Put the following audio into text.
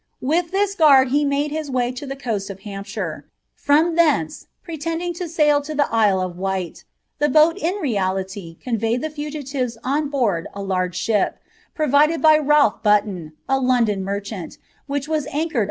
With this gnanl he maik Im way to the coast of Hampshire; from thence, pretending to aailwtb Isle of Wight, the boat in reality conveyed the fugitives od boaidalqr ■hip, provided by Ralf Bolton, a London merchant, which wms •ndnat' I8ABBLLA OF FRANCS.